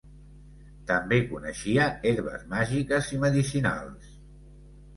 També coneixia herbes màgiques i medicinals.